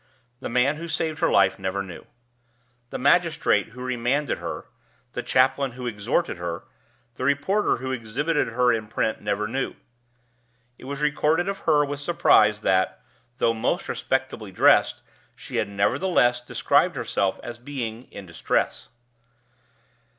The man who saved her life never knew. The magistrate who remanded her, the chaplain who exhorted her, the reporter who exhibited her in print, never knew. It was recorded of her with surprise that, though most respectably dressed, she had nevertheless described herself as being "in distress."